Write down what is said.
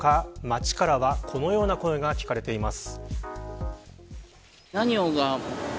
街からはこのような声が聞かれています。